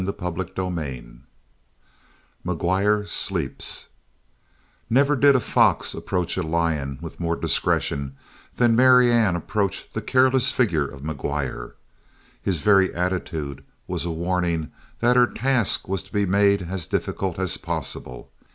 CHAPTER XXII MCGUIRE SLEEPS Never did a fox approach a lion with more discretion than Marianne approached the careless figure of McGuire. His very attitude was a warning that her task was to be made as difficult as possible.